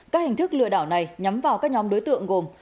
các hình thức lừa đảo này nhắm vào các nhóm đối tượng gồm